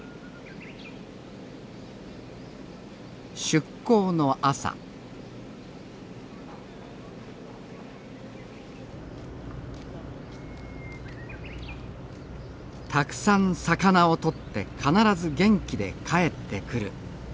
出港の朝たくさん魚を取って必ず元気で帰ってくる。